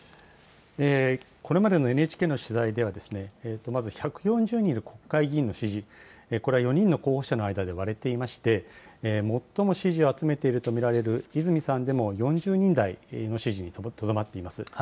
これまでのＮＨＫの取材では、まず１４０人いる国会議員の支持、これは４人の候補者の間で割れていまして、最も支持を集めていると見られる泉さんでも、４０人台の支持にとどまっています。